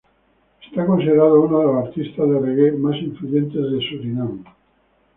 Es considerado uno de los artistas de reggae más influyentes de Surinam.